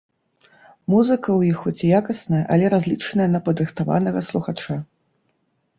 Музыка ў іх хоць і якасная, але разлічаная на падрыхтаванага слухача.